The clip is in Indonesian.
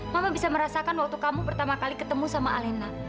mama bisa merasakan waktu kamu pertama kali ketemu sama alena